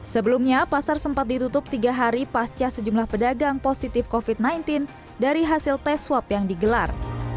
sebelumnya pasar sempat ditutup tiga hari pasca sejumlah pedagang positif covid sembilan belas dari hasil tes swab yang digelar